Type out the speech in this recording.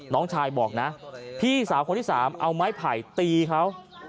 น้องชายบอกนะพี่สาวคนที่สามเอาไม้ไผ่ตีเขา